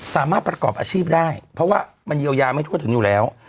สามารถประกอบอาชีพได้เพราะว่ามันเยียวยาไม่ทั่วถึงอยู่แล้ว